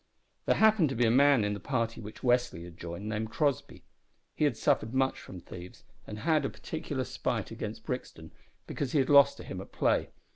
There happened to be a man in the party which Westly had joined, named Crossby. He had suffered much from thieves, and had a particular spite against Brixton because he had lost to him at play.